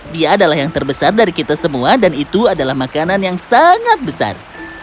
dia adalah yang terbesar dari kita semua dan itu adalah makanan yang sangat besar